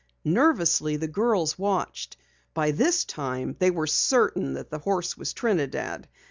Nervously the girls watched. By this time they were certain that the horse was Trinidad.